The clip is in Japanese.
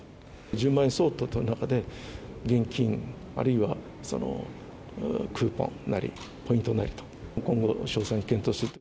１０万円相当という中で、現金あるいはクーポンなり、ポイントなりと、今後、詳細に検討すると。